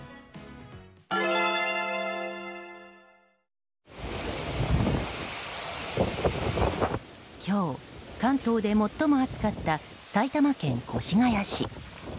新しくなった今日、関東で最も暑かった埼玉県越谷市。